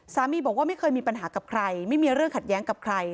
สามีบอกว่าไม่เคยมีปัญหากับใครไม่มีเรื่องขัดแย้งกับใคร